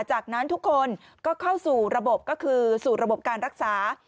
จากนั้นทุกคนก็เข้าสู่ระบบก็คือสู่ระบบการรักษา